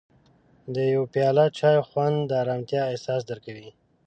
د یو پیاله چای خوند د ارامتیا احساس درکوي.